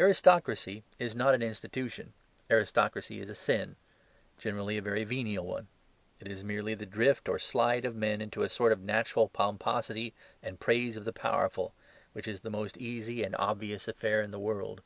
Aristocracy is not an institution: aristocracy is a sin; generally a very venial one. It is merely the drift or slide of men into a sort of natural pomposity and praise of the powerful, which is the most easy and obvious affair in the world.